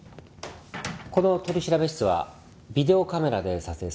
この取調室はビデオカメラで撮影されています。